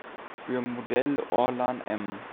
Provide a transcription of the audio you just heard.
Für Modell Orlan-M